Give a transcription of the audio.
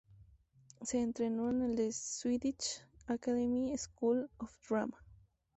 Se entrenó en "The Swedish Academic School of Drama".